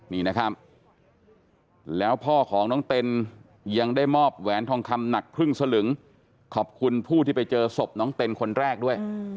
นี่นะครับแล้วพ่อของน้องเต็นยังได้มอบแหวนทองคำหนักครึ่งสลึงขอบคุณผู้ที่ไปเจอศพน้องเต้นคนแรกด้วย